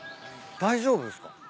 大丈夫ですか？